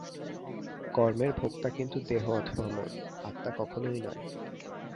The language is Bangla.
কর্মের ভোক্তা কিন্তু দেহ অথবা মন, আত্মা কখনই নয়।